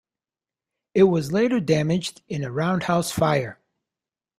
It was later damaged in a roundhouse fire.